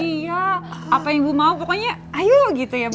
iya apa ibu mau pokoknya ayo gitu ya bu